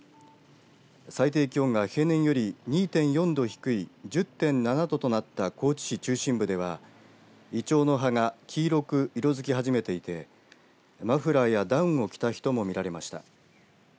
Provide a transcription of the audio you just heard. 最低気温が平年より２．４度低い１０．７度となった高知市中心部ではいちょうの葉が黄色く色づき始めていてマフラーやダウンを着た人も見られました。